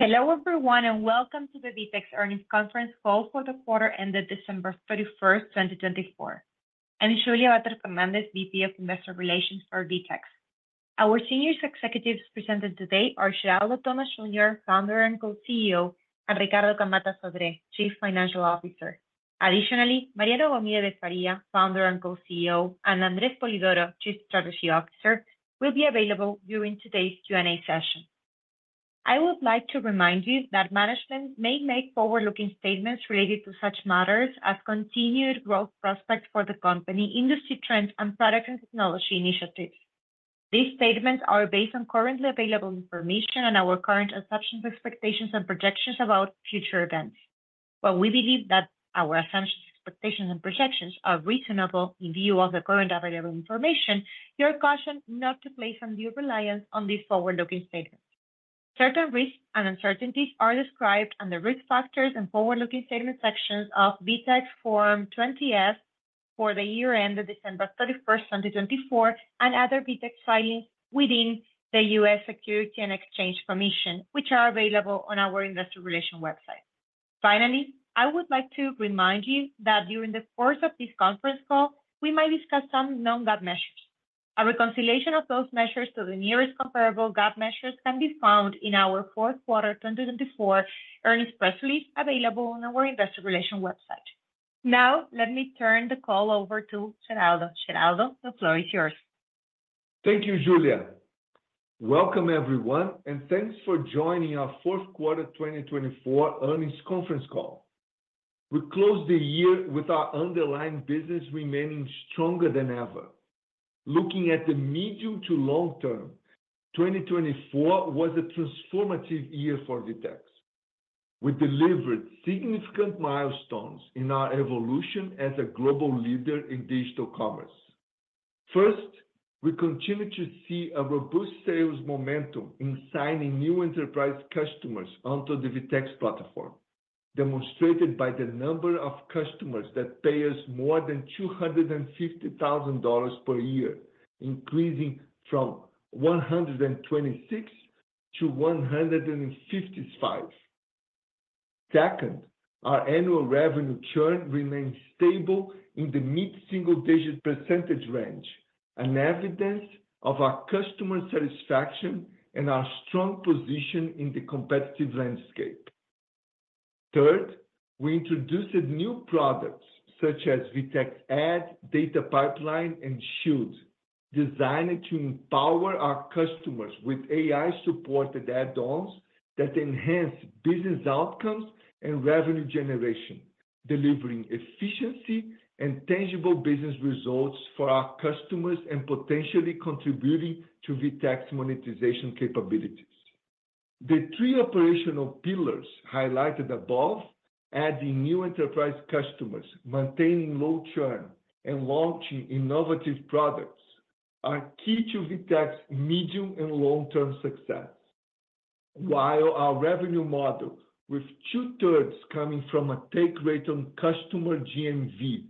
Hello everyone and welcome to the VTEX Earnings Conference call for the quarter ended December 31st, 2024. I'm Julia Fernández, VP of Investor Relations for VTEX. Our senior executives presented today are Geraldo Thomaz Júnior, Founder and Co-CEO, and Ricardo Camatta Sodré, Chief Financial Officer. Additionally, Mariano Gomide de Faria, Founder and Co-CEO, and André Spolidoro, Chief Strategy Officer, will be available during today's Q&A session. I would like to remind you that management may make forward-looking statements related to such matters as continued growth prospects for the company, industry trends, and product and technology initiatives. These statements are based on currently available information and our current assumptions, expectations, and projections about future events. While we believe that our assumptions, expectations, and projections are reasonable in view of the current available information, you're cautioned not to place undue reliance on these forward-looking statements. Certain risks and uncertainties are described under risk factors and forward-looking statements sections of VTEX Form 20F for the year ended December 31st, 2024, and other VTEX filings within the U.S. Securities and Exchange Commission, which are available on our Investor Relations website. Finally, I would like to remind you that during the course of this conference call, we might discuss some non-GAAP measures. A reconciliation of those measures to the nearest comparable GAAP measures can be found in our fourth quarter 2024 earnings release available on our Investor Relations website. Now, let me turn the call over to Geraldo. Geraldo, the floor is yours. Thank you, Julia. Welcome everyone, and thanks for joining our fourth quarter 2024 earnings conference call. We closed the year with our underlying business remaining stronger than ever. Looking at the medium to long term, 2024 was a transformative year for VTEX. We delivered significant milestones in our evolution as a global leader in digital commerce. First, we continue to see a robust sales momentum in signing new enterprise customers onto the VTEX platform, demonstrated by the number of customers that pays more than $250,000 per year, increasing from 126 to 155. Second, our annual revenue churn remains stable in the mid-single digit % range, an evidence of our customer satisfaction and our strong position in the competitive landscape. Third, we introduced new products such as VTEX Ads, Data Pipeline, and Shield, designed to empower our customers with AI-supported add-ons that enhance business outcomes and revenue generation, delivering efficiency and tangible business results for our customers and potentially contributing to VTEX monetization capabilities. The three operational pillars highlighted above, adding new enterprise customers, maintaining low churn, and launching innovative products, are key to VTEX's medium and long-term success. While our revenue model, with 2/3 coming from a take rate on customer GMV,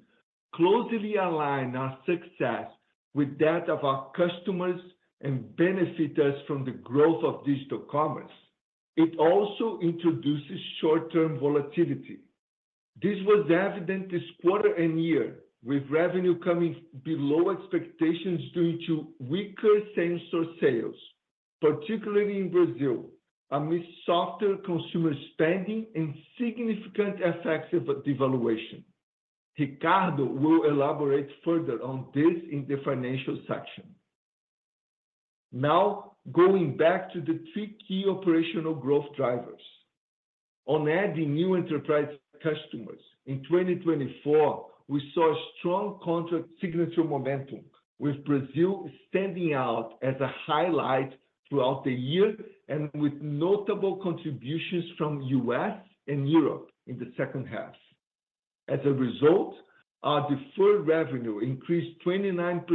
closely aligns our success with that of our customers and benefits us from the growth of digital commerce, it also introduces short-term volatility. This was evident this quarter and year, with revenue coming below expectations due to weaker sector sales, particularly in Brazil, amid softer consumer spending and significant FX devaluation. Ricardo will elaborate further on this in the financial section. Now, going back to the three key operational growth drivers. On adding new enterprise customers, in 2024, we saw a strong contract signature momentum, with Brazil standing out as a highlight throughout the year and with notable contributions from the U.S. and Europe in the second half. As a result, our deferred revenue increased 29%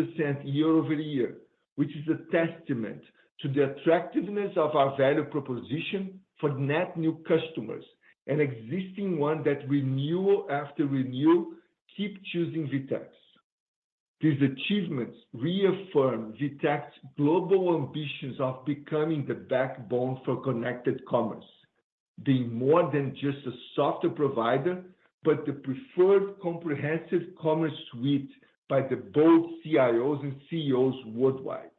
year-over-year, which is a testament to the attractiveness of our value proposition for net new customers and existing ones that renew after renew keep choosing VTEX. These achievements reaffirm VTEX's global ambitions of becoming the backbone for connected commerce, being more than just a software provider, but the preferred comprehensive commerce suite by both CIOs and CEOs worldwide.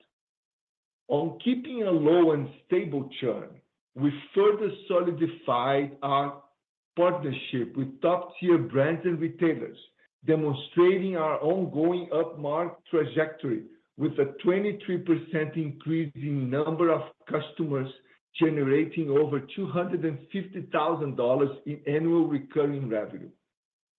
On keeping a low and stable churn, we further solidified our partnership with top-tier brands and retailers, demonstrating our ongoing upmarket trajectory with a 23% increase in the number of customers generating over $250,000 in annual recurring revenue.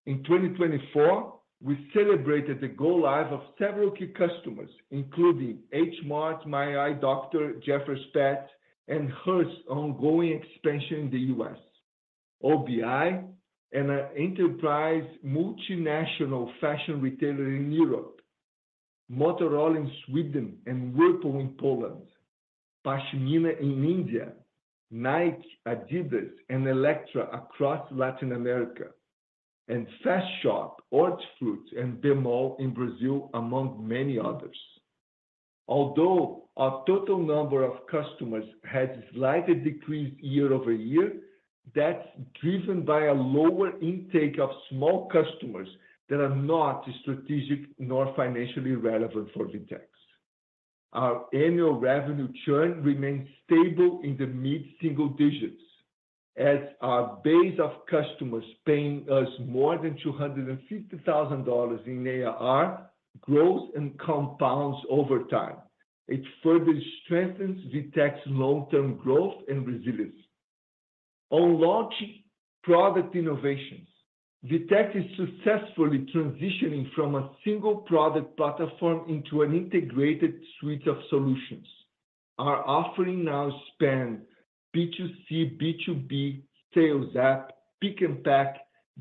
In 2024, we celebrated the go-live of several key customers, including H Mart, My Eye Doctor, Jeffers' Pets, and Hearst's ongoing expansion in the U.S., OBI, and an enterprise multinational fashion retailer in Europe, Motorola in Sweden and Whirlpool in Poland, Pashmina in India, Nike, Adidas and Elektra across Latin America, and FastStore, Hortifruti, and Bemol in Brazil, among many others. Although our total number of customers has slightly decreased year-over-year, that's driven by a lower intake of small customers that are not strategic nor financially relevant for VTEX. Our annual revenue churn remains stable in the mid-single digits, as our base of customers paying us more than $250,000 in ARR grows and compounds over time. It further strengthens VTEX's long-term growth and resilience. On launching product innovations, VTEX is successfully transitioning from a single product platform into an integrated suite of solutions. Our offering now spans B2C, B2B, sales app, pick and pack,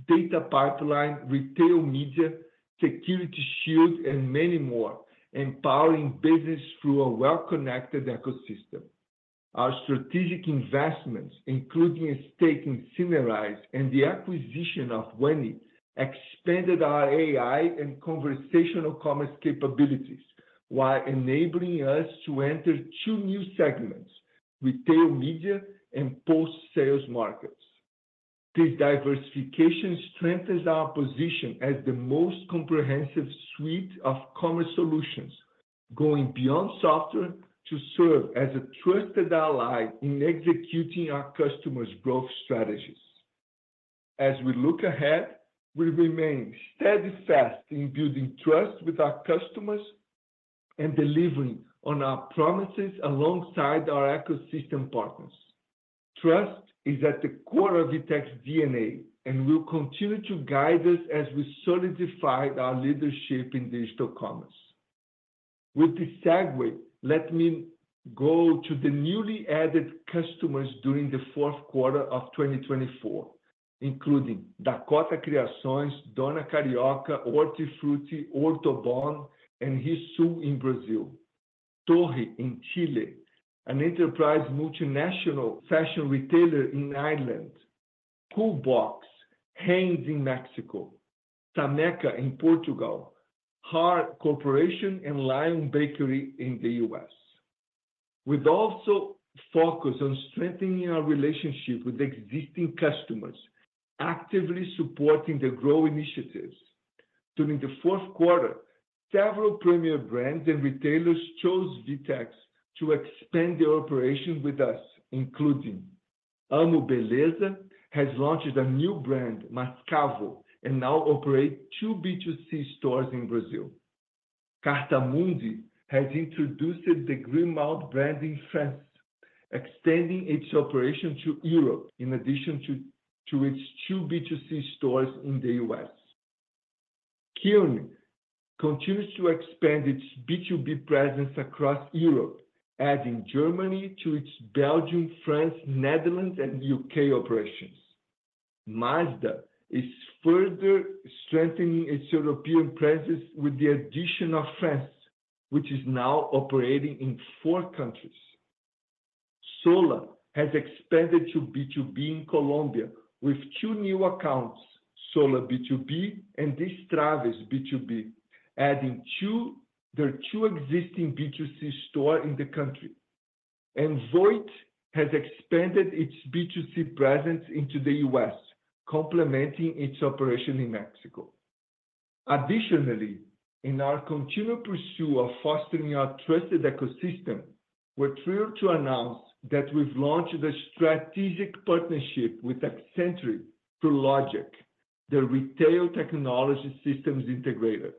data pipeline, retail media, Security Shield, and many more, empowering business through a well-connected ecosystem. Our strategic investments, including a stake in Synerise and the acquisition of Weni, expanded our AI and conversational commerce capabilities, while enabling us to enter two new segments: retail media and post-sales markets. This diversification strengthens our position as the most comprehensive suite of commerce solutions, going beyond software to serve as a trusted ally in executing our customers' growth strategies. As we look ahead, we remain steadfast in building trust with our customers and delivering on our promises alongside our ecosystem partners. Trust is at the core of VTEX's DNA, and we'll continue to guide this as we solidify our leadership in digital commerce. With this segue, let me go to the newly added customers during the fourth quarter of 2024, including Dakota Criações, Dona Carioca, Horch Fruits, Ortobom, and Rissul in Brazil. Torre in Chile, an enterprise multinational fashion retailer in Ireland. Cole Haan in Mexico. Tâmega in Portugal. Hard Corporation and Lyon Bakery in the U.S. We also focus on strengthening our relationship with existing customers, actively supporting their growth initiatives. During the fourth quarter, several premier brands and retailers chose VTEX to expand their operations with us, including: Amo Beleza has launched a new brand, Mascavo, and now operates two B2C stores in Brazil. Cartamundi has introduced the Grimaud brand in France, extending its operations to Europe in addition to its two B2C stores in the U.S. Kerry continues to expand its B2B presence across Europe, adding Germany to its Belgium, France, Netherlands, and U.K. operations. Mazda is further strengthening its European presence with the addition of France, which is now operating in four countries. Solla has expanded to B2B in Colombia with two new accounts, Solla B2B and Distraves B2B, adding their two existing B2C stores in the country, and Voit has expanded its B2C presence into the U.S., complementing its operation in Mexico. Additionally, in our continued pursuit of fostering our trusted ecosystem, we're thrilled to announce that we've launched a strategic partnership with Accenture through Logic, the retail technology systems integrator.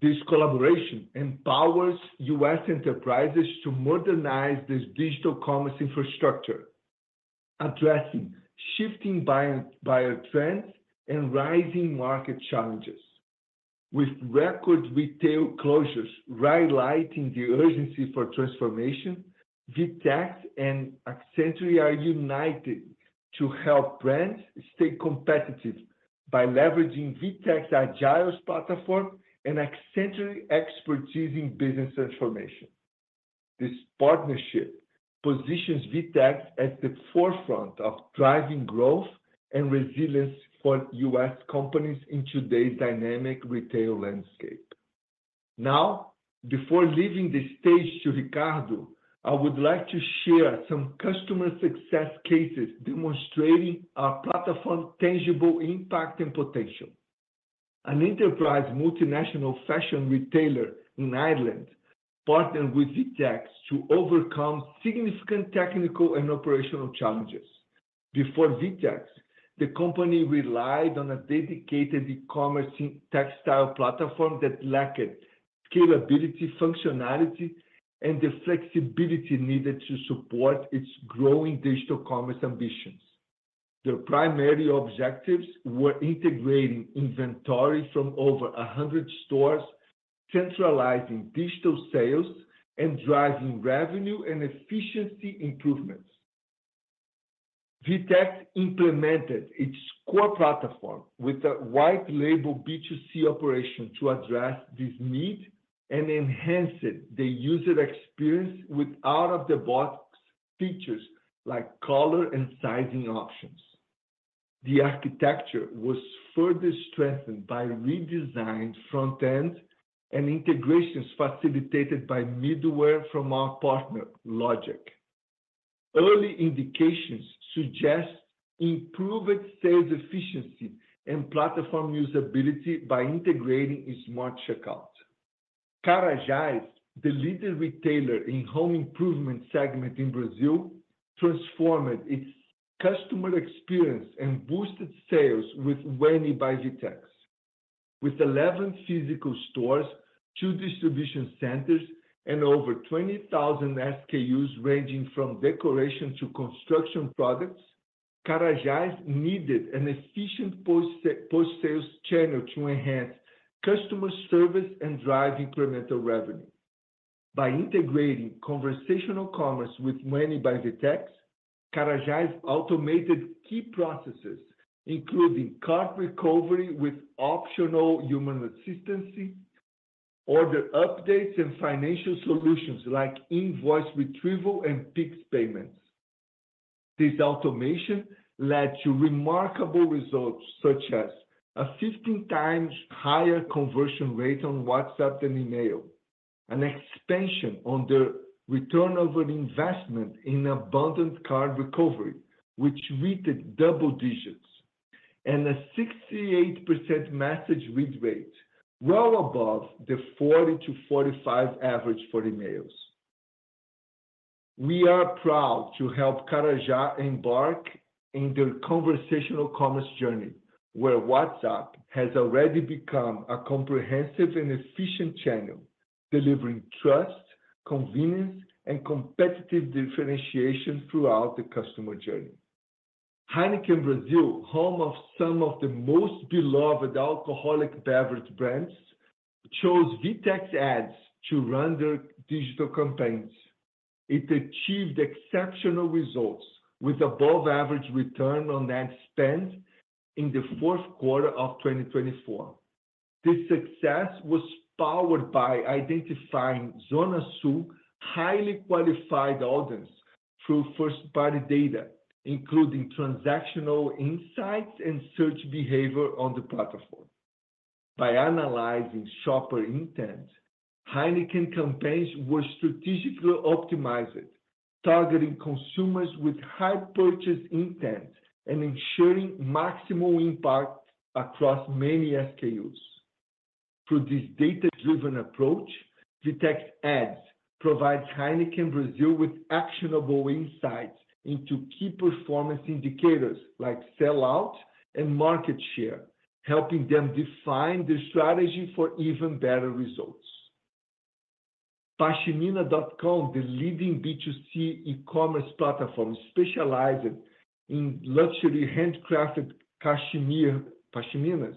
This collaboration empowers U.S. enterprises to modernize their digital commerce infrastructure, addressing shifting buyer trends and rising market challenges. With record retail closures highlighting the urgency for transformation, VTEX and Accenture are united to help brands stay competitive by leveraging VTEX's agile platform and Accenture's expertise in business transformation. This partnership positions VTEX at the forefront of driving growth and resilience for U.S. companies in today's dynamic retail landscape. Now, before leaving the stage to Ricardo, I would like to share some customer success cases demonstrating our platform's tangible impact and potential. An enterprise multinational fashion retailer in Ireland partnered with VTEX to overcome significant technical and operational challenges. Before VTEX, the company relied on a dedicated e-commerce textile platform that lacked capability, functionality, and the flexibility needed to support its growing digital commerce ambitions. Their primary objectives were integrating inventory from over 100 stores, centralizing digital sales, and driving revenue and efficiency improvements. VTEX implemented its core platform with a white-label B2C operation to address this need and enhanced the user experience with out-of-the-box features like color and sizing options. The architecture was further strengthened by redesigned front-end and integrations facilitated by middleware from our partner, Logic. Early indications suggest improved sales efficiency and platform usability by integrating smart checkout. Leroy Merlin, the leading retailer in home improvement segment in Brazil, transformed its customer experience and boosted sales with Wendy by VTEX. With 11 physical stores, two distribution centers, and over 20,000 SKUs ranging from decoration to construction products, Leroy Merlin needed an efficient post-sales channel to enhance customer service and drive incremental revenue. By integrating conversational commerce with Wendy by VTEX, Leroy Merlin automated key processes, including cart recovery with optional human assistance, order updates, and financial solutions like invoice retrieval and fixed payments. This automation led to remarkable results such as a 15x higher conversion rate on WhatsApp than email, an expansion on their return on investment in abandoned cart recovery, which reached double digits, and a 68% message read rate, well above the 40%-45% average for emails. We are proud to help Carajás embark on their conversational commerce journey, where WhatsApp has already become a comprehensive and efficient channel, delivering trust, convenience, and competitive differentiation throughout the customer journey. Heineken Brazil, home of some of the most beloved alcoholic beverage brands, chose VTEX Ads to run their digital campaigns. It achieved exceptional results with above-average return on ad spend in the fourth quarter of 2024. This success was powered by identifying Zona Sul highly qualified audience through first-party data, including transactional insights and search behavior on the platform. By analyzing shopper intent, Heineken campaigns were strategically optimized, targeting consumers with high purchase intent and ensuring maximum impact across many SKUs. Through this data-driven approach, VTEX Ads provides Heineken Brazil with actionable insights into key performance indicators like sellout and market share, helping them define their strategy for even better results. Pashmina.com, the leading B2C e-commerce platform specializing in luxury handcrafted pashminas,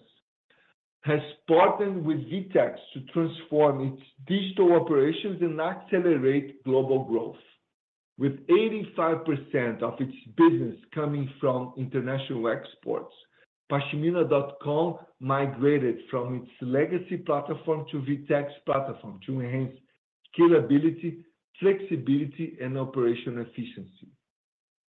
has partnered with VTEX to transform its digital operations and accelerate global growth. With 85% of its business coming from international exports, Pashmina.com migrated from its legacy platform to VTEX platform to enhance scalability, flexibility, and operational efficiency.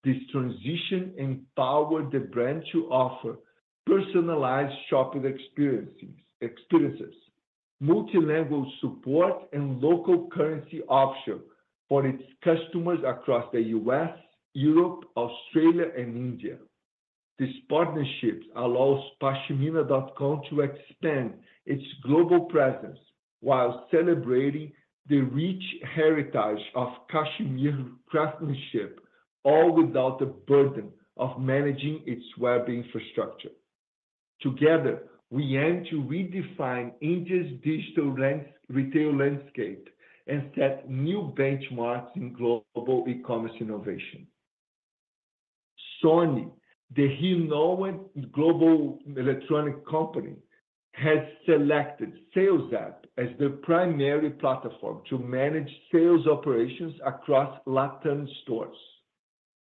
This transition empowered the brand to offer personalized shopping experiences, multilingual support, and local currency options for its customers across the U.S., Europe, Australia, and India. These partnerships allow Pashmina.com to expand its global presence while celebrating the rich heritage of Kashmiri craftsmanship, all without the burden of managing its web infrastructure. Together, we aim to redefine India's digital retail landscape and set new benchmarks in global e-commerce innovation. Sony, the renowned global electronics company, has selected Sales App as their primary platform to manage sales operations across Latin American stores.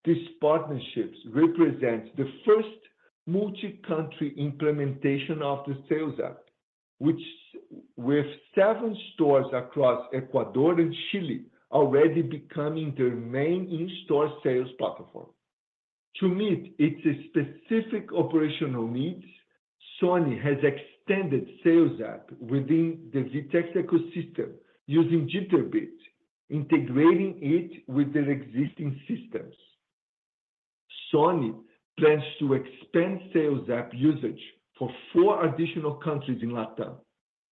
This partnership represents the first multi-country implementation of the Sales App, with seven stores across Ecuador and Chile already becoming their main in-store sales platform. To meet its specific operational needs, Sony has extended Sales App within the VTEX ecosystem using Jitterbit, integrating it with their existing systems. Sony plans to expand Sales App usage for four additional countries in Latin America: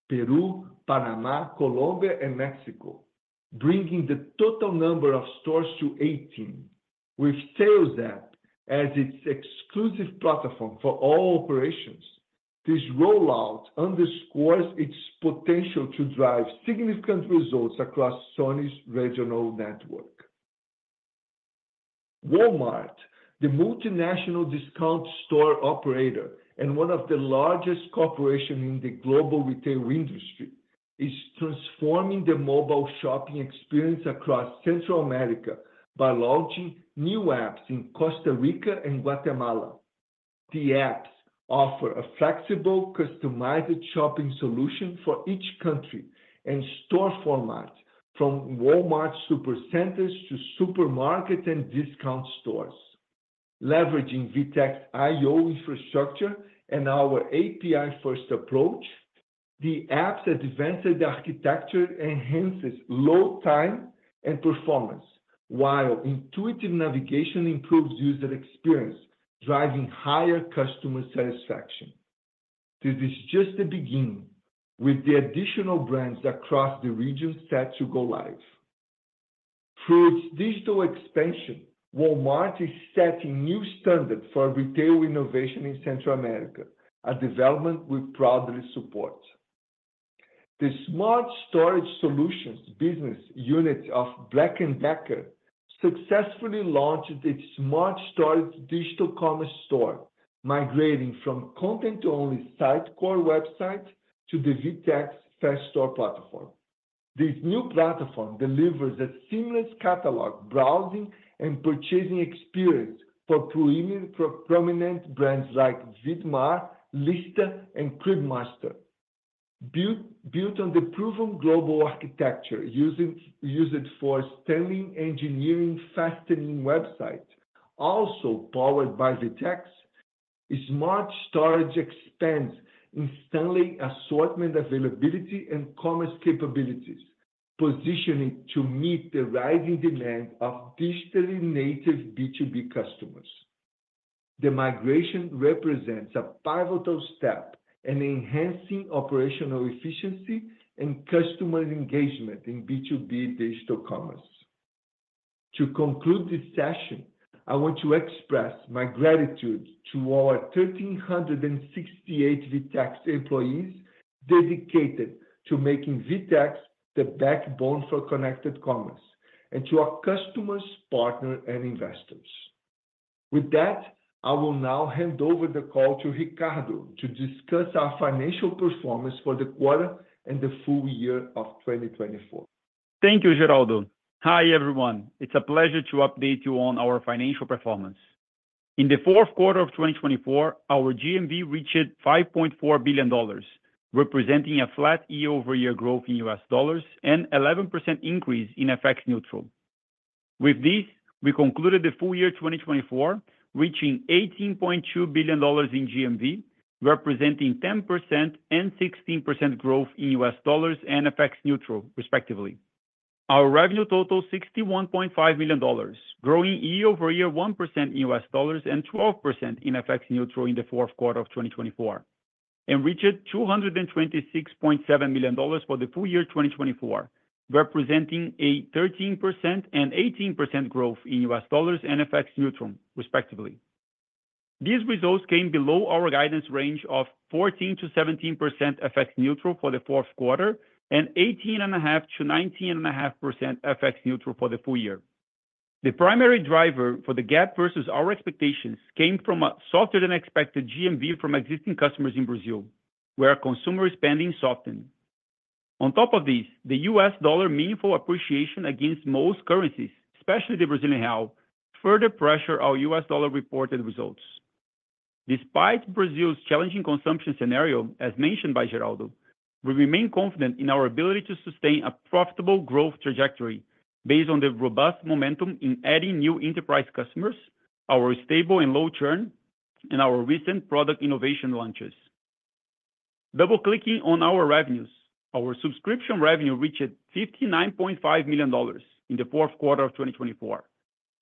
Peru, Panama, Colombia, and Mexico, bringing the total number of stores to 18. With Sales App as its exclusive platform for all operations, this rollout underscores its potential to drive significant results across Sony's regional network. Walmart, the multinational discount store operator and one of the largest corporations in the global retail industry, is transforming the mobile shopping experience across Central America by launching new apps in Costa Rica and Guatemala. The apps offer a flexible, customized shopping solution for each country and store formats, from Walmart supercenters to supermarkets and discount stores. Leveraging VTEX IO's infrastructure and our API-first approach, the app's advanced architecture enhances load time and performance, while intuitive navigation improves user experience, driving higher customer satisfaction. This is just the beginning, with the additional brands across the region set to go live. Through its digital expansion, Walmart is setting new standards for retail innovation in Central America, a development we proudly support. The Smart Storage Solutions business unit of Black & Decker successfully launched its Smart Storage Digital Commerce store, migrating from content-only Sitecore website to the VTEX FastStore platform. This new platform delivers a seamless catalog browsing and purchasing experience for premium prominent brands like Vidmar, Lista, and CribMaster. Built on the proven global architecture used for Stanley Engineering Fastening websites, also powered by VTEX, Smart Storage expands its assortment availability and commerce capabilities, positioning it to meet the rising demand of digitally native B2B customers. The migration represents a pivotal step in enhancing operational efficiency and customer engagement in B2B digital commerce. To conclude this session, I want to express my gratitude to our 1,368 VTEX employees dedicated to making VTEX the backbone for connected commerce and to our customers, partners, and investors. With that, I will now hand over the call to Ricardo to discuss our financial performance for the quarter and the full year of 2024. Thank you, Geraldo. Hi everyone. It's a pleasure to update you on our financial performance. In the fourth quarter of 2024, our GMV reached $5.4 billion, representing a flat year-over-year growth in U.S. dollars and an 11% increase in FX neutral. With this, we concluded the full year 2024, reaching $18.2 billion in GMV, representing 10% and 16% growth in U.S. dollars and FX neutral, respectively. Our revenue totaled $61.5 million, growing year-over-year 1% in U.S. dollars and 12% in FX neutral in the fourth quarter of 2024, and reached $226.7 million for the full year 2024, representing a 13% and 18% growth in U.S. dollars and FX neutral, respectively. These results came below our guidance range of 14%-17% FX neutral for the fourth quarter and 18.5%-19.5% FX neutral for the full year. The primary driver for the gap versus our expectations came from a softer-than-expected GMV from existing customers in Brazil, where consumer spending softened. On top of this, the U.S. dollar meaningful appreciation against most currencies, especially the Brazilian real, further pressured our U.S. dollar reported results. Despite Brazil's challenging consumption scenario, as mentioned by Geraldo, we remain confident in our ability to sustain a profitable growth trajectory based on the robust momentum in adding new enterprise customers, our stable and low churn, and our recent product innovation launches. Double-clicking on our revenues, our subscription revenue reached $59.5 million in the fourth quarter of 2024,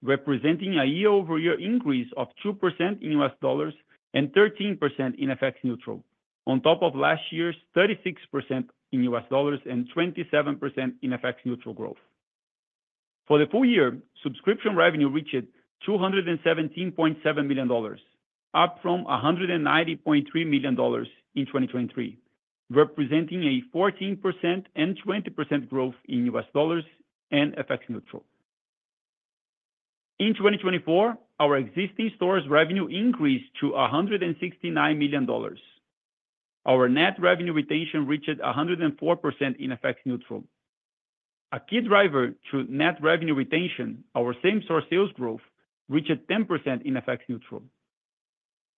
representing a year-over-year increase of 2% in U.S. dollars and 13% in FX neutral, on top of last year's 36% in U.S. dollars and 27% in FX neutral growth. For the full year, subscription revenue reached $217.7 million, up from $190.3 million in 2023, representing a 14% and 20% growth in U.S. dollars and FX neutral. In 2024, our existing stores' revenue increased to $169 million. Our net revenue retention reached 104% in FX neutral. A key driver to net revenue retention, our same-store sales growth, reached 10% in FX neutral.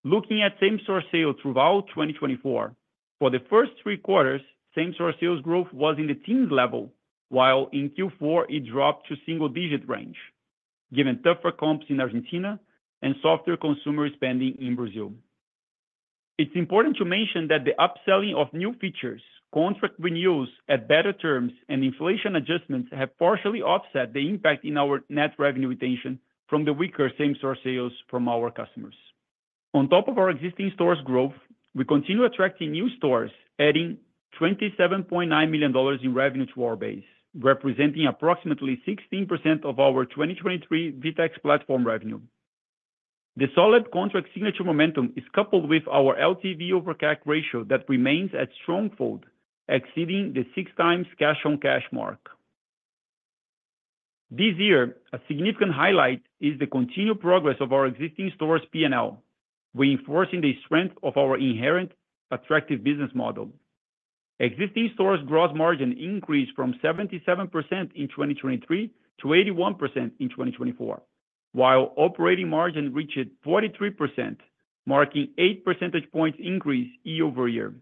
Looking at same-store sales throughout 2024, for the first three quarters, same-store sales growth was in the teens level, while in Q4 it dropped to single-digit range, given tougher comps in Argentina and softer consumer spending in Brazil. It's important to mention that the upselling of new features, contract renewals at better terms, and inflation adjustments have partially offset the impact in our net revenue retention from the weaker same-store sales from our customers. On top of our existing stores' growth, we continue attracting new stores, adding $27.9 million in revenue to our base, representing approximately 16% of our 2023 VTEX platform revenue. The solid contract signature momentum is coupled with our LTV over CAC ratio that remains at strong fold, exceeding the 6x cash-on-cash mark. This year, a significant highlight is the continued progress of our existing stores' P&L, reinforcing the strength of our inherent attractive business model. Existing stores' gross margin increased from 77% in 2023 to 81% in 2024, while operating margin reached 43%, marking an 8 percentage point increase year-over-year.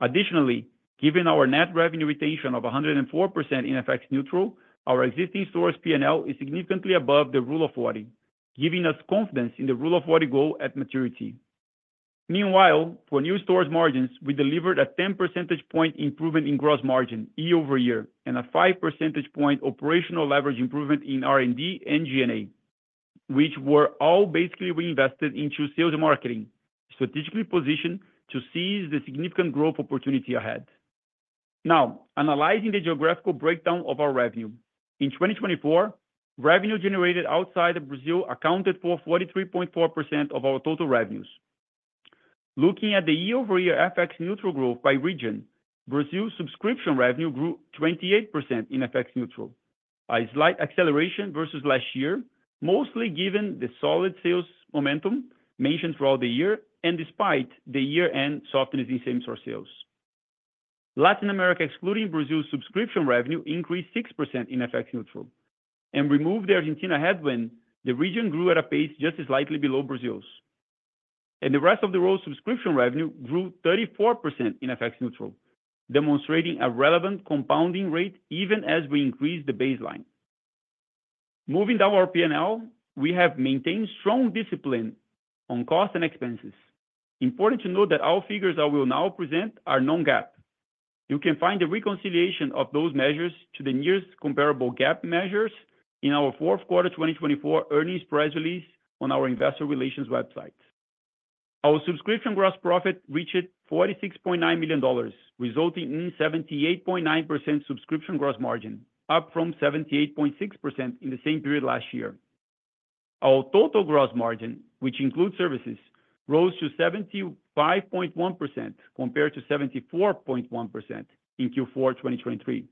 Additionally, given our net revenue retention of 104% in FX neutral, our existing stores' P&L is significantly above the rule of 40, giving us confidence in the rule of 40 goal at maturity. Meanwhile, for new stores' margins, we delivered a 10 percentage point improvement in gross margin year-over-year and a 5 percentage point operational leverage improvement in R&D and G&A, which were all basically reinvested into sales and marketing, strategically positioned to seize the significant growth opportunity ahead. Now, analyzing the geographical breakdown of our revenue, in 2024, revenue generated outside of Brazil accounted for 43.4% of our total revenues. Looking at the year-over-year FX neutral growth by region, Brazil's subscription revenue grew 28% in FX neutral, a slight acceleration versus last year, mostly given the solid sales momentum mentioned throughout the year and despite the year-end softness in same-store sales. Latin America excluding Brazil's subscription revenue increased 6% in FX neutral, and remove the Argentina headwind, the region grew at a pace just slightly below Brazil's, and the rest of the world's subscription revenue grew 34% in FX neutral, demonstrating a relevant compounding rate even as we increased the baseline. Moving down our P&L, we have maintained strong discipline on costs and expenses. Important to note that our figures I will now present are non-GAAP. You can find the reconciliation of those measures to the nearest comparable GAAP measures in our fourth quarter 2024 earnings press release on our investor relations website. Our subscription gross profit reached $46.9 million, resulting in 78.9% subscription gross margin, up from 78.6% in the same period last year. Our total gross margin, which includes services, rose to 75.1% compared to 74.1% in Q4 2023.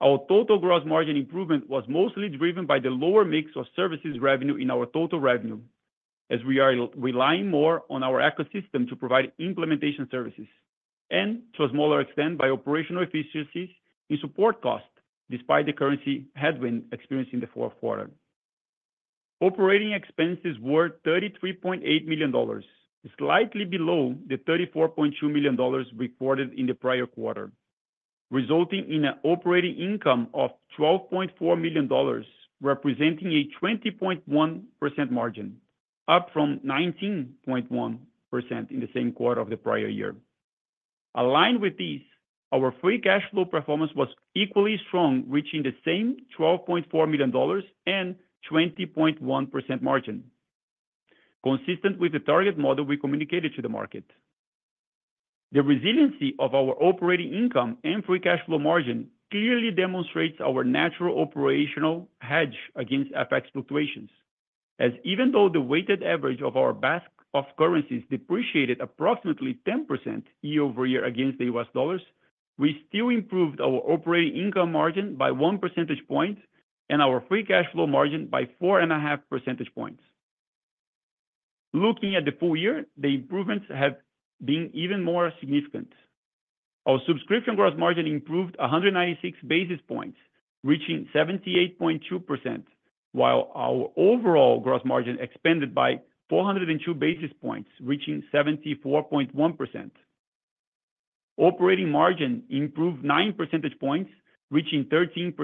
Our total gross margin improvement was mostly driven by the lower mix of services revenue in our total revenue, as we are relying more on our ecosystem to provide implementation services, and to a smaller extent by operational efficiencies and support costs, despite the currency headwind experienced in the fourth quarter. Operating expenses were $33.8 million, slightly below the $34.2 million reported in the prior quarter, resulting in an operating income of $12.4 million, representing a 20.1% margin, up from 19.1% in the same quarter of the prior year. Aligned with these, our free cash flow performance was equally strong, reaching the same $12.4 million and 20.1% margin, consistent with the target model we communicated to the market. The resiliency of our operating income and free cash flow margin clearly demonstrates our natural operational hedge against FX fluctuations, as even though the weighted average of our basket of currencies depreciated approximately 10% year-over-year against the U.S. dollars, we still improved our operating income margin by 1 percentage point and our free cash flow margin by 4.5 percentage points. Looking at the full year, the improvements have been even more significant. Our subscription gross margin improved 196 basis points, reaching 78.2%, while our overall gross margin expanded by 402 basis points, reaching 74.1%. Operating margin improved 9 percentage points, reaching 13%,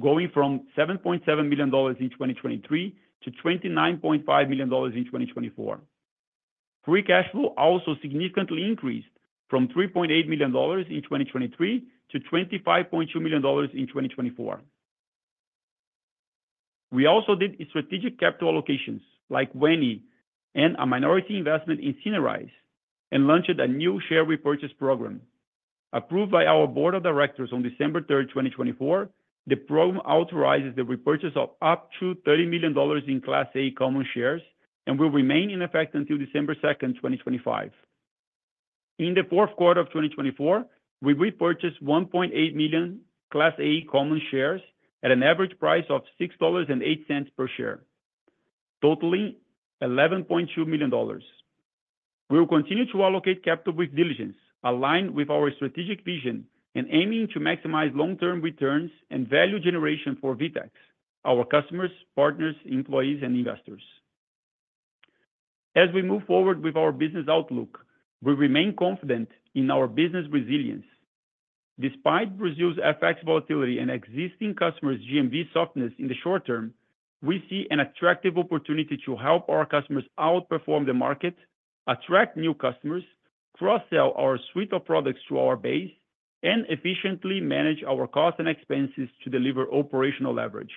going from $7.7 million in 2023 to $29.5 million in 2024. Free cash flow also significantly increased from $3.8 million in 2023 to $25.2 million in 2024. We also did strategic capital allocations like Weni and a minority investment in Cinerise and launched a new share repurchase program. Approved by our Board of Directors on December 3rd, 2024, the program authorizes the repurchase of up to $30 million in Class A common shares and will remain in effect until December 2, 2025. In the fourth quarter of 2024, we repurchased 1.8 million Class A common shares at an average price of $6.08 per share, totaling $11.2 million. We will continue to allocate capital with diligence, aligned with our strategic vision and aiming to maximize long-term returns and value generation for VTEX, our customers, partners, employees, and investors. As we move forward with our business outlook, we remain confident in our business resilience. Despite Brazil's FX volatility and existing customers' GMV softness in the short term, we see an attractive opportunity to help our customers outperform the market, attract new customers, cross-sell our suite of products to our base, and efficiently manage our costs and expenses to deliver operational leverage.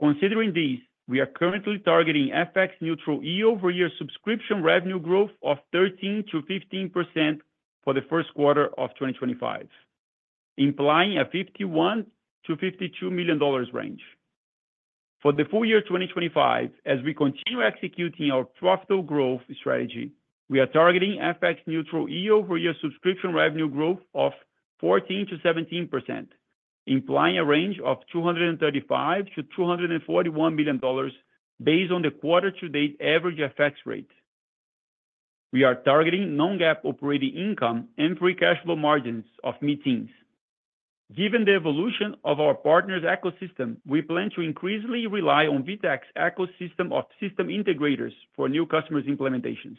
Considering these, we are currently targeting FX neutral year-over-year subscription revenue growth of 13%-15% for the first quarter of 2025, implying a $51 million-$52 million range. For the full year 2025, as we continue executing our profitable growth strategy, we are targeting FX neutral year-over-year subscription revenue growth of 14%-17%, implying a range of $235 million-$241 million based on the quarter-to-date average FX rate. We are targeting non-GAAP operating income and free cash flow margins of mid-teens. Given the evolution of our partner's ecosystem, we plan to increasingly rely on VTEX's ecosystem of system integrators for new customers' implementations.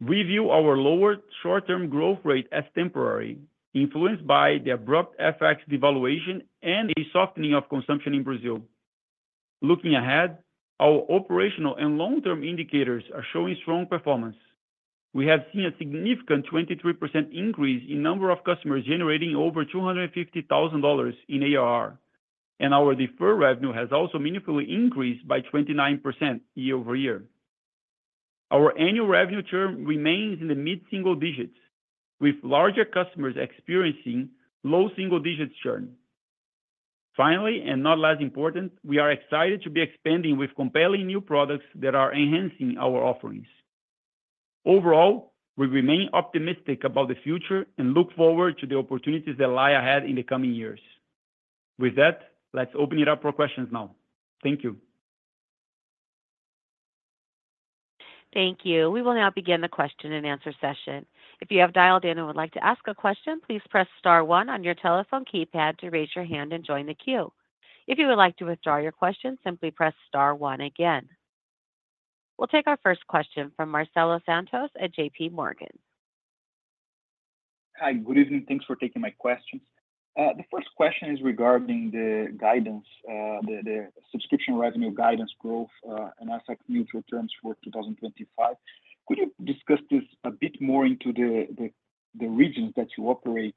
We view our lower short-term growth rate as temporary, influenced by the abrupt FX devaluation and a softening of consumption in Brazil. Looking ahead, our operational and long-term indicators are showing strong performance. We have seen a significant 23% increase in number of customers generating over $250,000 in ARR, and our deferred revenue has also meaningfully increased by 29% year-over-year. Our annual revenue churn remains in the mid-single digits, with larger customers experiencing low single-digit churn. Finally, and not less important, we are excited to be expanding with compelling new products that are enhancing our offerings. Overall, we remain optimistic about the future and look forward to the opportunities that lie ahead in the coming years. With that, let's open it up for questions now. Thank you. Thank you. We will now begin the question-and-answer session. If you have dialed in and would like to ask a question, please press star one on your telephone keypad to raise your hand and join the queue. If you would like to withdraw your question, simply press star one again. We'll take our first question from Marcelo Santos at JPMorgan. Hi, good evening. Thanks for taking my questions. The first question is regarding the guidance, the subscription revenue guidance growth and asset neutral terms for 2025. Could you discuss this a bit more into the regions that you operate,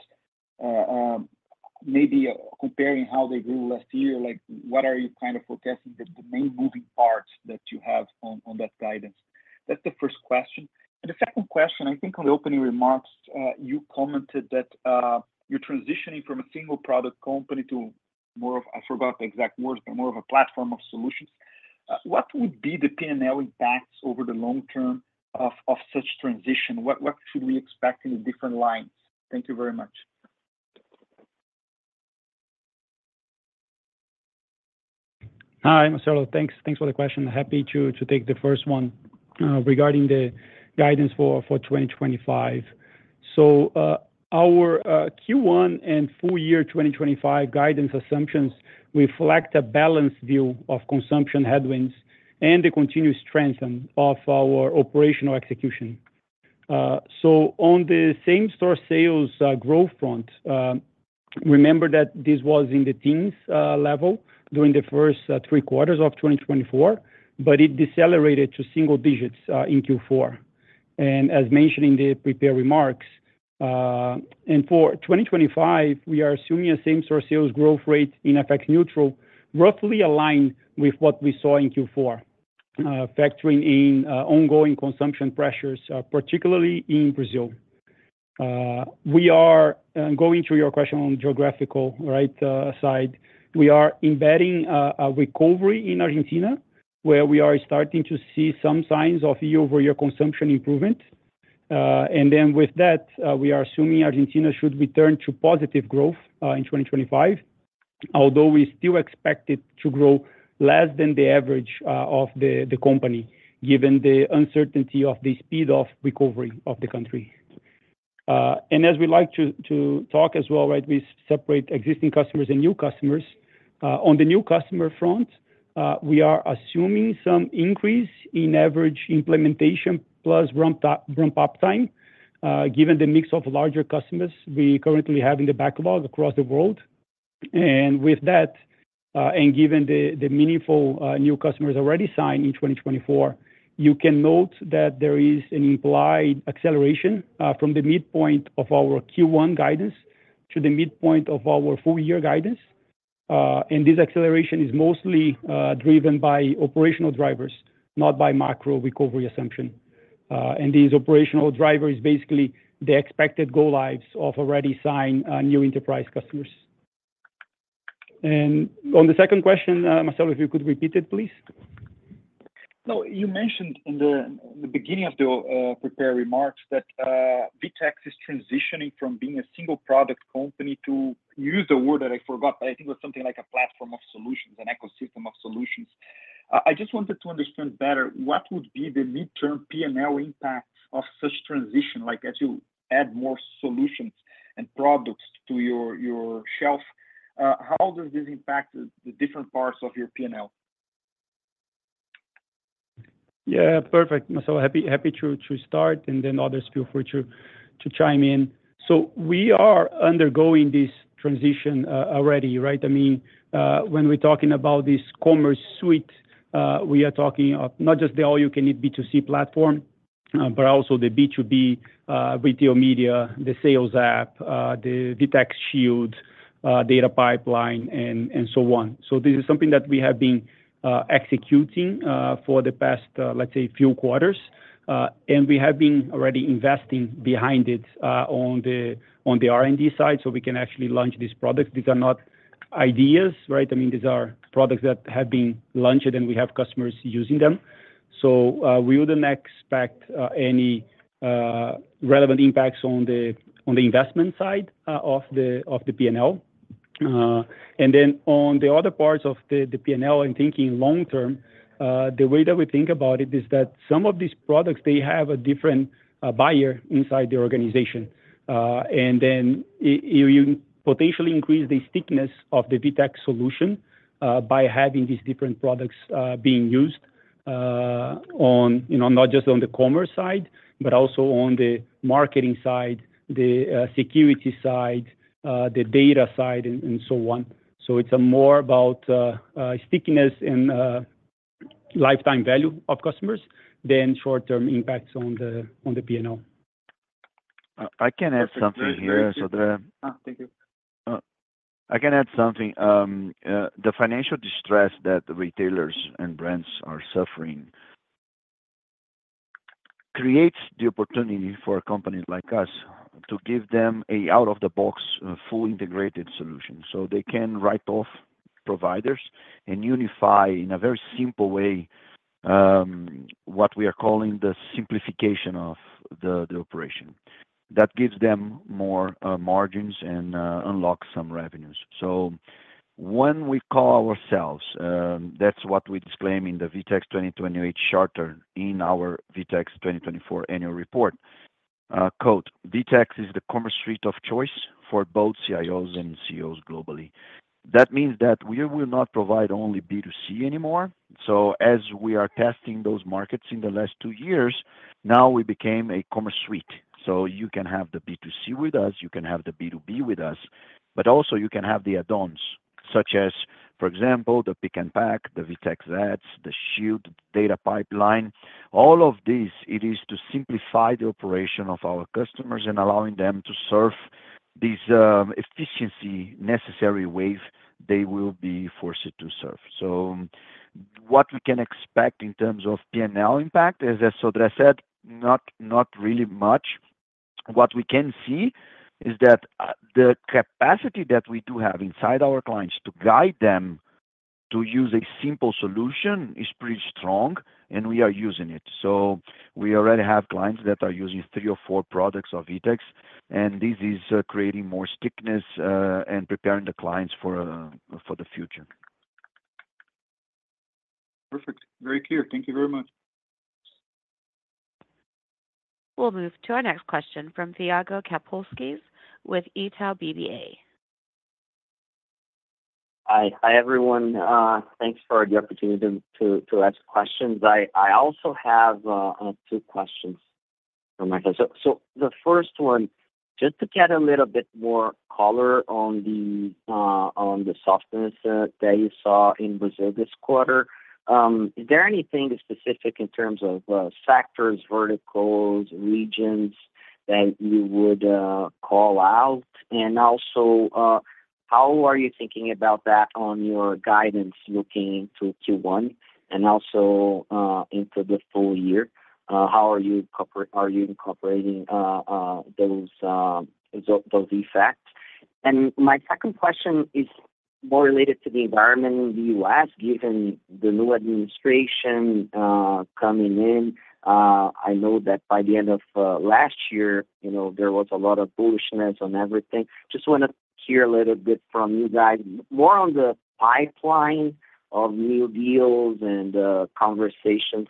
maybe comparing how they grew last year? Like, what are you kind of forecasting the main moving parts that you have on that guidance? That's the first question. The second question, I think on the opening remarks, you commented that you're transitioning from a single product company to more of, I forgot the exact words, but more of a platform of solutions. What would be the P&L impacts over the long term of such transition? What should we expect in a different line? Thank you very much. Hi, Marcelo. Thanks for the question. Happy to take the first one regarding the guidance for 2025. Our Q1 and full year 2025 guidance assumptions reflect a balanced view of consumption headwinds and the continued strengthening of our operational execution. On the same-store sales growth front, remember that this was in the teens level during the first three quarters of 2024, but it decelerated to single digits in Q4. As mentioned in the prepared remarks, and for 2025, we are assuming a same-store sales growth rate in FX neutral, roughly aligned with what we saw in Q4, factoring in ongoing consumption pressures, particularly in Brazil. We are going to your question on geographical, right, side. We are embedding a recovery in Argentina, where we are starting to see some signs of year-over-year consumption improvement. With that, we are assuming Argentina should return to positive growth in 2025, although we still expect it to grow less than the average of the company, given the uncertainty of the speed of recovery of the country. As we like to talk as well, right, we separate existing customers and new customers. On the new customer front, we are assuming some increase in average implementation plus ramp-up time, given the mix of larger customers we currently have in the backlog across the world. And with that, and given the meaningful new customers already signed in 2024, you can note that there is an implied acceleration from the midpoint of our Q1 guidance to the midpoint of our full year guidance. And this acceleration is mostly driven by operational drivers, not by macro recovery assumption. And these operational drivers are basically the expected go-lives of already signed new enterprise customers. And on the second question, Marcelo, if you could repeat it, please. You mentioned in the beginning of the prepared remarks that VTEX is transitioning from being a single product company to, use the word that I forgot, but I think it was something like a platform of solutions, an ecosystem of solutions. I just wanted to understand better what would be the midterm P&L impact of such transition, like as you add more solutions and products to your shelf, how does this impact the different parts of your P&L? Yeah, perfect. So happy to start, and then others feel free to chime in. We are undergoing this transition already, right? I mean, when we're talking about this commerce suite, we are talking not just the all-you-can-eat B2C platform, but also the B2B retail media, the sales app, the VTEX shield, data pipeline, and so on. This is something that we have been executing for the past, let's say, few quarters. We have been already investing behind it on the R&D side so we can actually launch these products. These are not ideas, right? I mean, these are products that have been launched, and we have customers using them. We wouldn't expect any relevant impacts on the investment side of the P&L. Then on the other parts of the P&L, I'm thinking long term, the way that we think about it is that some of these products, they have a different buyer inside the organization. You potentially increase the stickiness of the VTEX solution by having these different products being used not just on the commerce side, but also on the marketing side, the security side, the data side, and so on. So it's more about stickiness and lifetime value of customers than short-term impacts on the P&L. I can add something here, Sodré. The financial distress that retailers and brands are suffering creates the opportunity for companies like us to give them an out-of-the-box, full integrated solution so they can write off providers and unify in a very simple way what we are calling the simplification of the operation. That gives them more margins and unlocks some revenues. So when we call ourselves, that's what we disclaim in the VTEX 2028 short term in our VTEX 2024 annual report, quote, "VTEX is the commerce suite of choice for both CIOs and CEOs globally." That means that we will not provide only B2C anymore. So as we are testing those markets in the last two years, now we became a commerce suite. So you can have the B2C with us, you can have the B2B with us, but also you can have the add-ons, such as, for example, the pick and pack, the VTEX ads, the shield, data pipeline. All of this, it is to simplify the operation of our customers and allowing them to serve this efficiency necessary wave they will be forced to serve. So what we can expect in terms of P&L impact is, as Sodré said, not really much. What we can see is that the capacity that we do have inside our clients to guide them to use a simple solution is pretty strong, and we are using it. So we already have clients that are using three or four products of VTEX, and this is creating more stickiness and preparing the clients for the future. Perfect. Very clear. Thank you very much. We'll move to our next question from Thiago Kapulskis with Itaú BBA. Hi, everyone. Thanks for the opportunity to ask questions. I also have two questions for Marcelo. So the first one, just to get a little bit more color on the softness that you saw in Brazil this quarter, is there anything specific in terms of sectors, verticals, regions that you would call out? And also, how are you thinking about that on your guidance looking to Q1 and also into the full year? How are you incorporating those effects? And my second question is more related to the environment in the US, given the new administration coming in. I know that by the end of last year, there was a lot of bullishness on everything. Just want to hear a little bit from you guys, more on the pipeline of new deals and conversations.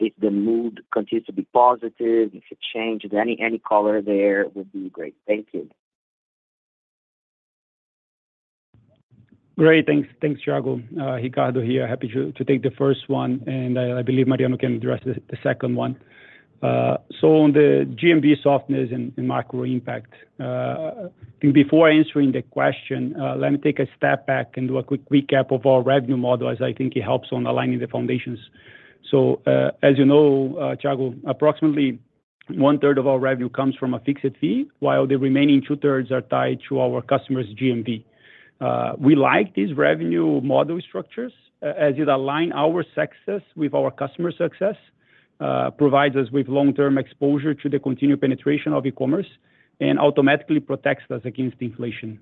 If the mood continues to be positive, if it changes, any color there would be great. Thank you. Great. Thanks, Thiago. Ricardo here. Happy to take the first one. And I believe Mariano can address the second one. So on the GMV softness and macro impact, before answering the question, let me take a step back and do a quick recap of our revenue model as I think it helps on aligning the foundations. So as you know, Thiago, approximately 1/3 of our revenue comes from a fixed fee, while the remaining two-thirds are tied to our customers' GMV. We like these revenue model structures as it aligns our success with our customer success, provides us with long-term exposure to the continued penetration of e-commerce, and automatically protects us against inflation.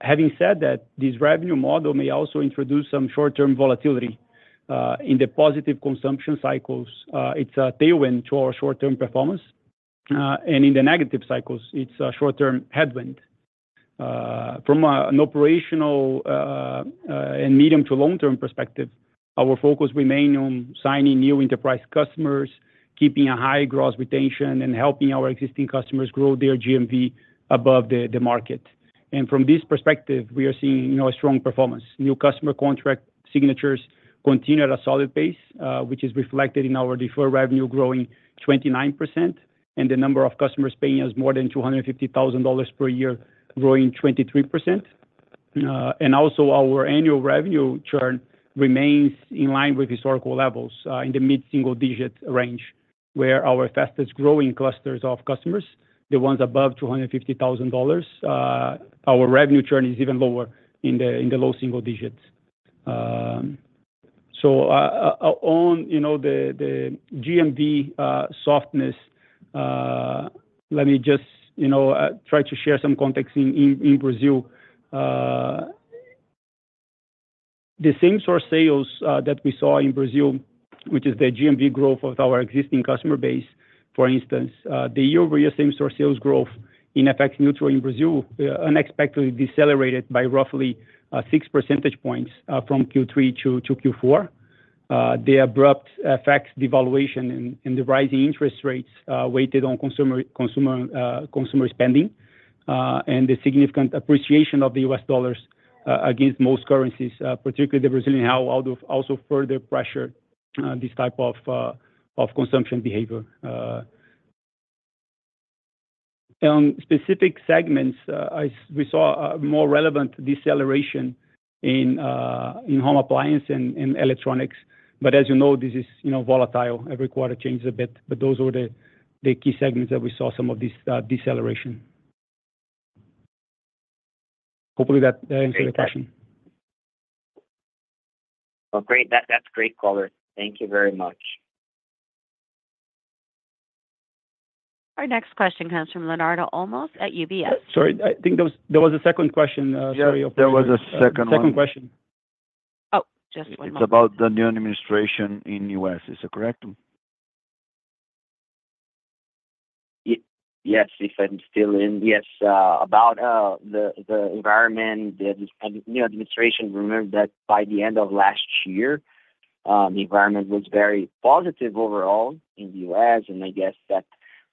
Having said that, this revenue model may also introduce some short-term volatility in the positive consumption cycles. It's a tailwind to our short-term performance. In the negative cycles, it's a short-term headwind. From an operational and medium to long-term perspective, our focus remains on signing new enterprise customers, keeping a high gross retention, and helping our existing customers grow their GMV above the market. From this perspective, we are seeing a strong performance. New customer contract signatures continue at a solid pace, which is reflected in our deferred revenue growing 29%, and the number of customers paying us more than $250,000 per year growing 23%. Also, our annual revenue churn remains in line with historical levels in the mid-single-digit range, where our fastest-growing clusters of customers, the ones above $250,000, our revenue churn is even lower in the low single digits. On the GMV softness, let me just try to share some context in Brazil. The same-store sales that we saw in Brazil, which is the GMV growth of our existing customer base, for instance, the year-over-year same-store sales growth in FX neutral in Brazil unexpectedly decelerated by roughly six percentage points from Q3 to Q4. The abrupt FX devaluation, and the rising interest rates weighed on consumer spending and the significant appreciation of the U.S. dollars against most currencies, particularly the Brazilian real, also further pressured this type of consumption behavior. On specific segments, we saw a more relevant deceleration in home appliance and electronics. But as you know, this is volatile. Every quarter changes a bit. But those were the key segments that we saw some of this deceleration. Hopefully, that answered the question. Great. That's great, color. Thank you very much. Our next question comes from Leonardo Olmos at UBS. Sorry, I think there was a second question. Yeah. There was a second one. Second question. Oh, just one moment. It's about the new administration in the U.S. Is that correct? Yes, if I'm still in. Yes, about the environment, the new administration. Remember that by the end of last year, the environment was very positive overall in the U.S. And I guess that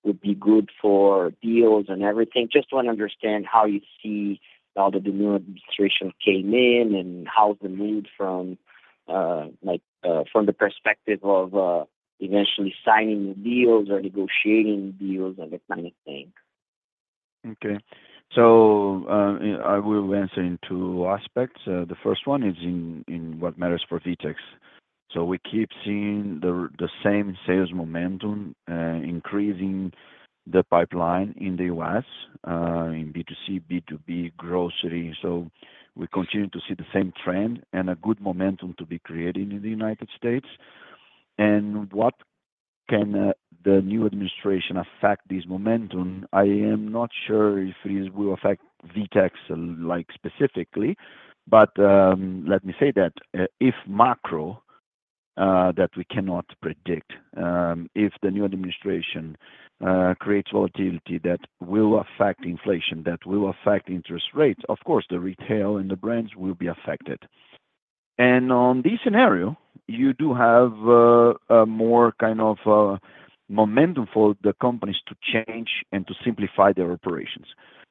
would be good for deals and everything. Just want to understand how you see how the new administration came in and how the mood from the perspective of eventually signing deals or negotiating deals and that kind of thing. Okay. So I will answer in two aspects. The first one is in what matters for VTEX. So we keep seeing the same sales momentum increasing the pipeline in the U.S., in B2C, B2B, grocery. So we continue to see the same trend and a good momentum to be creating in the United States. And what can the new administration affect this momentum? I am not sure if it will affect VTEX specifically, but let me say that if macro, that we cannot predict. If the new administration creates volatility that will affect inflation, that will affect interest rates, of course, the retail and the brands will be affected. And on this scenario, you do have more kind of momentum for the companies to change and to simplify their operations.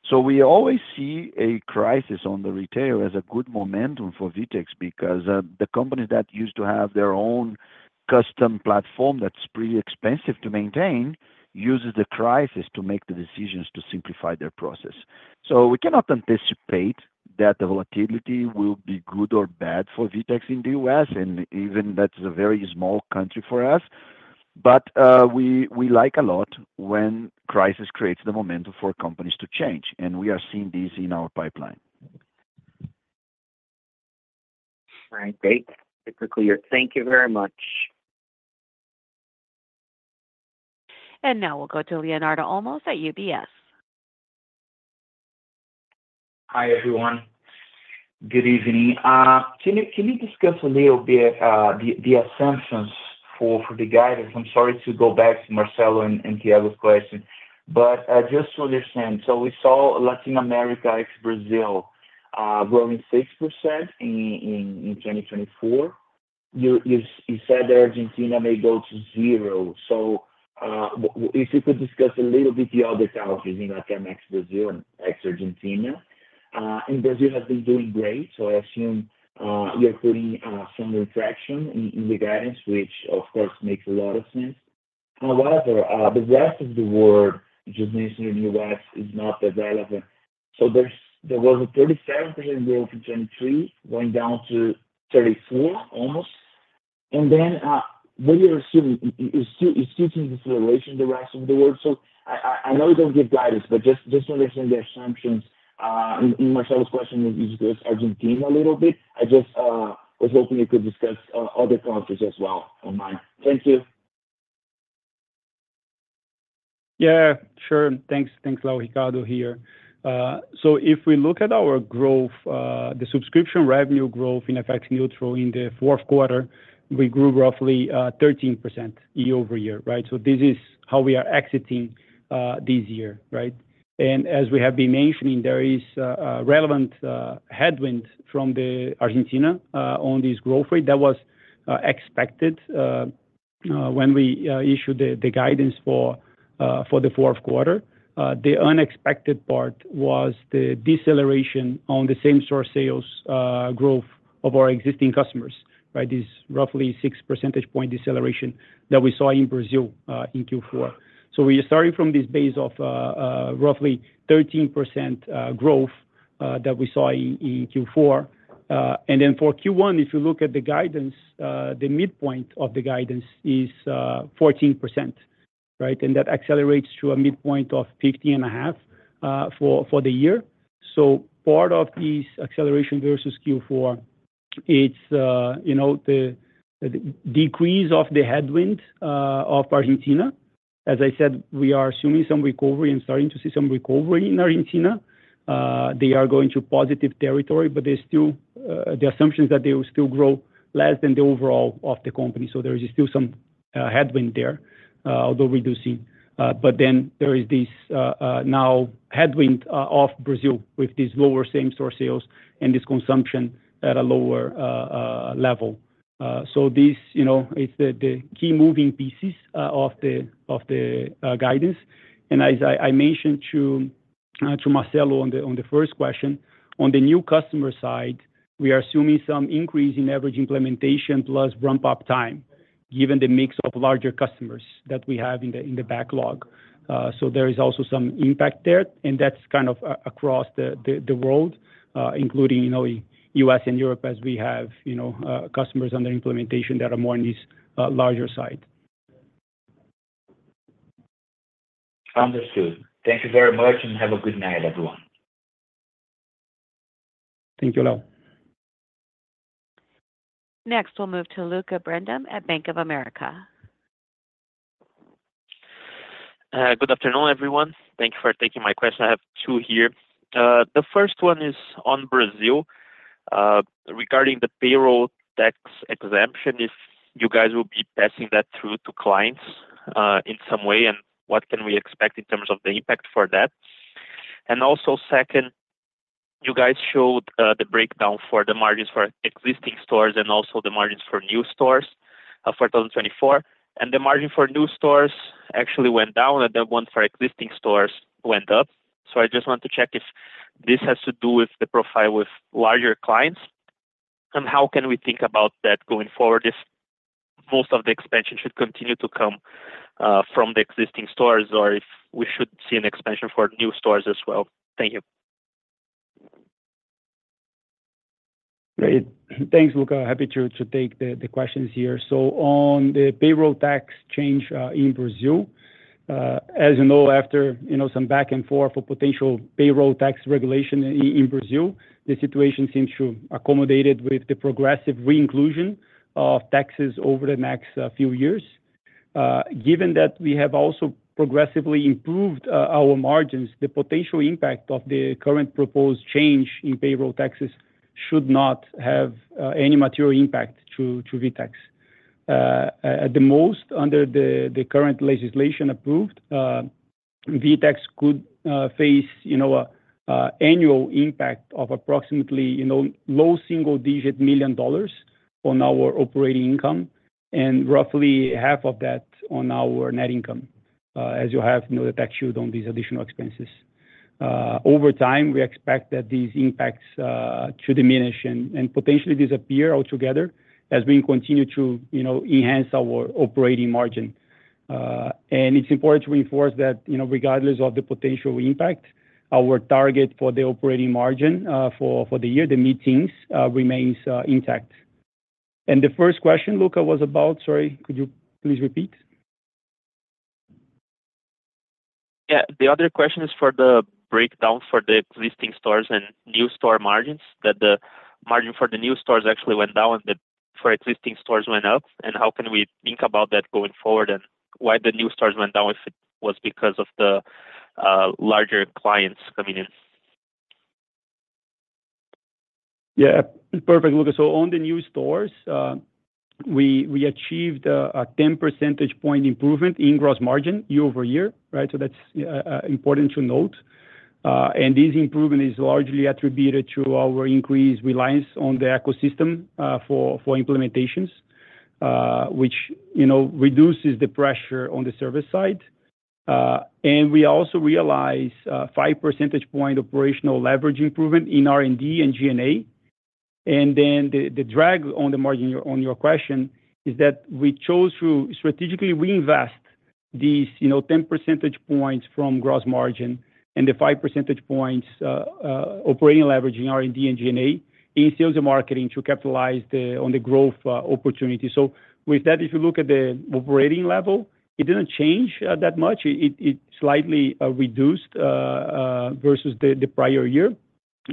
So we always see a crisis on the retail as a good momentum for VTEX because the companies that used to have their own custom platform that's pretty expensive to maintain use the crisis to make the decisions to simplify their process. So we cannot anticipate that the volatility will be good or bad for VTEX in the U.S., and even that's a very small country for us. But we like a lot when crisis creates the momentum for companies to change. And we are seeing this in our pipeline. All right. Great. Thank you very much. And now we'll go to Leonardo Olmos at UBS. Hi, everyone. Good evening. Can you just confirm a bit the assumptions for the guidance? I'm sorry to go back to Marcelo and Thiago's question, but just to understand, so we saw Latin America, ex-Brazil, growing 6% in 2024. You said that Argentina may go to zero. So if you could discuss a little bit the other countries in Latin America, ex-Brazil and ex-Argentina. And Brazil has been doing great. So I assume you're feeling some traction in the guidance, which, of course, makes a lot of sense. However, the rest of the world, you mentioned in the U.S., is not that relevant. There was a 37% growth in 2023, going down to almost 34%. Then maybe you're assuming it's due to the deceleration the rest of the year. I know you don't give guidance, but just to understand the assumptions in Marcelo's question and Argentina a little bit, I just was hoping you could discuss other countries as well on mine. Thank you. Yeah, sure. Thanks. Thanks, Hello Ricardo here. If we look at our growth, the subscription revenue growth in FX neutral in the fourth quarter, we grew roughly 13% year-over-year, right? This is how we are exiting this year, right? As we have been mentioning, there is a relevant headwind from Argentina on this growth rate that was expected when we issued the guidance for the fourth quarter. The unexpected part was the deceleration on the same-store sales growth of our existing customers, right? This roughly 6 percentage point deceleration that we saw in Brazil in Q4. So we started from this base of roughly 13% growth that we saw in Q4. And then for Q1, if you look at the guidance, the midpoint of the guidance is 14%, right? And that accelerates to a midpoint of 15.5% for the year. So part of this acceleration versus Q4, it's the decrease of the headwind of Argentina. As I said, we are assuming some recovery. I'm starting to see some recovery in Argentina. They are going to positive territory, but there's still the assumption that they will still grow less than the overall of the company. So there is still some headwind there, although reducing. But then there is this now headwind of Brazil with this lower same-store sales and this consumption at a lower level. So this is the key moving pieces of the guidance. And as I mentioned to Marcelo on the first question, on the new customer side, we are assuming some increase in average implementation plus ramp-up time, given the mix of larger customers that we have in the backlog. So there is also some impact there. And that's kind of across the world, including U.S. and Europe, as we have customers under implementation that are more on this larger side. Understood. Thank you very much, and have a good night, everyone. Thank you, Leo. Next, we'll move to Luca Biondim at Bank of America. Good afternoon, everyone. Thank you for taking my question. I have two here. The first one is on Brazil regarding the payroll tax exemption, if you guys will be passing that through to clients in some way, and what can we expect in terms of the impact for that? And also, second, you guys showed the breakdown for the margins for existing stores and also the margins for new stores for 2024, and the margin for new stores actually went down, and the one for existing stores went up, so I just want to check if this has to do with the profile with larger clients, and how can we think about that going forward if most of the expansion should continue to come from the existing stores, or if we should see an expansion for new stores as well? Thank you. Great. Thanks, Lucca. Happy to take the questions here. So on the payroll tax change in Brazil, as you know, after some back and forth for potential payroll tax regulation in Brazil, the situation seems to be accommodated with the progressive re-inclusion of taxes over the next few years. Given that we have also progressively improved our margins, the potential impact of the current proposed change in payroll taxes should not have any material impact to VTEX. At the most, under the current legislation approved, VTEX could face an annual impact of approximately low single-digit million dollars on our operating income, and roughly half of that on our net income, as you have the tax shield on these additional expenses. Over time, we expect that these impacts to diminish and potentially disappear altogether as we continue to enhance our operating margin. It's important to reinforce that regardless of the potential impact, our target for the operating margin for the year, the midpoint, remains intact. The first question, Lucca, was about, sorry, could you please repeat? Yeah, the other question is for the breakdown for the existing stores and new store margins, that the margin for the new stores actually went down, but for existing stores went up. How can we think about that going forward, and why the new stores went down if it was because of the larger clients coming in? Yeah, perfect, Lucca. On the new stores, we achieved a 10 percentage point improvement in gross margin year-over-year, right? That's important to note. This improvement is largely attributed to our increased reliance on the ecosystem for implementations, which reduces the pressure on the service side. And we also realized a five percentage point operational leverage improvement in R&D and G&A. And then the drag on your question is that we chose to strategically reinvest these 10 percentage points from gross margin and the five percentage points operating leverage in R&D and G&A in sales and marketing to capitalize on the growth opportunity. So with that, if you look at the operating level, it didn't change that much. It slightly reduced versus the prior year.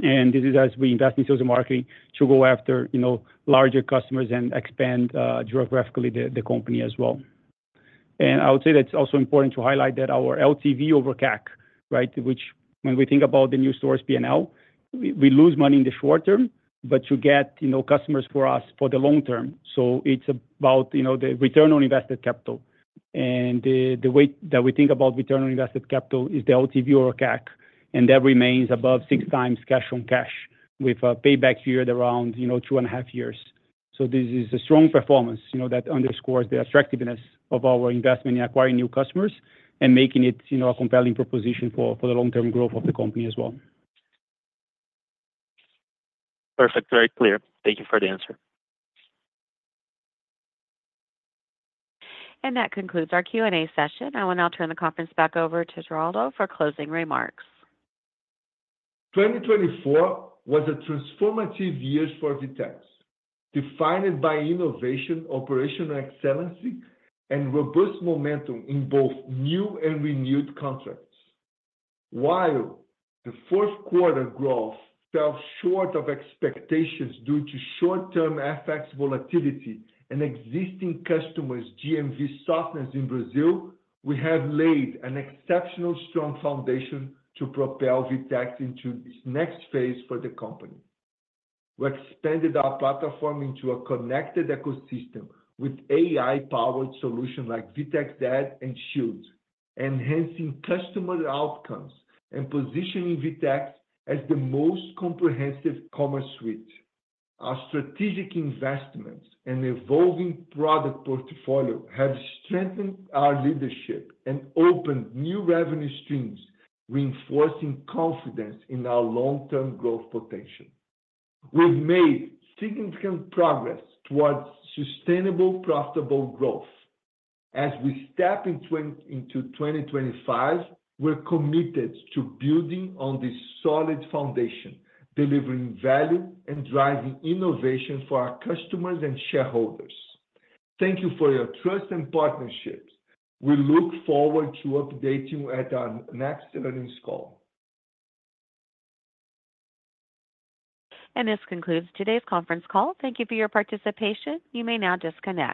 And this is as we invest in sales and marketing to go after larger customers and expand geographically the company as well. And I would say that's also important to highlight that our LTV over CAC, right, which when we think about the new stores P&L, we lose money in the short term, but to get customers for us for the long term. So it's about the return on invested capital. And the way that we think about return on invested capital is the LTV over CAC. And that remains above 6x cash on cash with a payback period around two and a half years. So this is a strong performance that underscores the attractiveness of our investment in acquiring new customers and making it a compelling proposition for the long-term growth of the company as well. Perfect. Very clear. Thank you for the answer. And that concludes our Q&A session. I will now turn the conference back over to Geraldo for closing remarks. 2024 was a transformative year for VTEX, defined by innovation, operational excellence, and robust momentum in both new and renewed contracts. While the fourth quarter growth fell short of expectations due to short-term FX volatility and existing customers' GMV softness in Brazil, we have laid an exceptionally strong foundation to propel VTEX into this next phase for the company. We expanded our platform into a connected ecosystem with AI-powered solutions like VTEX Ads and Shield, enhancing customer outcomes and positioning VTEX as the most comprehensive commerce suite. Our strategic investments and evolving product portfolio have strengthened our leadership and opened new revenue streams, reinforcing confidence in our long-term growth potential. We've made significant progress towards sustainable, profitable growth. As we step into 2025, we're committed to building on this solid foundation, delivering value and driving innovation for our customers and shareholders. Thank you for your trust and partnerships. We look forward to updating at our next earnings call. And this concludes today's conference call. Thank you for your participation. You may now disconnect.